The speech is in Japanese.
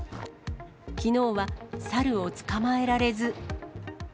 きのうは猿を捕まえられず。